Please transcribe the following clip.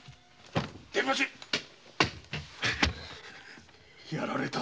伝八っ‼やられた。